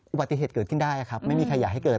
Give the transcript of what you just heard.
อุบัติเหตุเกิดขึ้นได้ครับไม่มีใครอยากให้เกิด